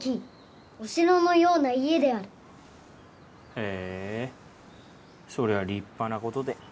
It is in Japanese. へえそりゃ立派な事で。